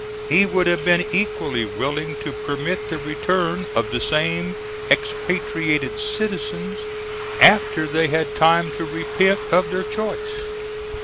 He would have been equally willing to permit the return of the same expatriated citizens after they had time to repent of their choice.